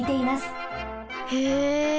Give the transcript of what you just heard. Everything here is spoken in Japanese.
へえ。